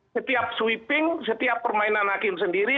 setiap sweeping setiap permainan hakim sendiri